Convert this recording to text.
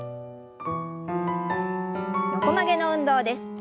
横曲げの運動です。